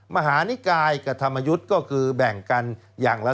มหานิกายกับธรรมยุทธ์ก็คือแบ่งกันอย่างละ